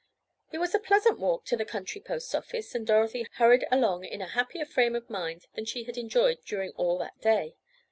It was a pleasant walk to the country post office, and Dorothy hurried along in a happier frame of mind than she had enjoyed during all that day.